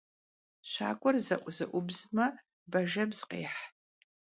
Şak'uer ze'uzebzme, bajjebz khêh.